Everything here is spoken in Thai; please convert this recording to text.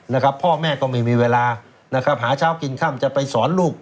นะครับพ่อแม่ก็ไม่มีเวลานะครับหาเช้ากินค่ำจะไปสอนลูก